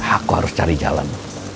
aku harus cari jalan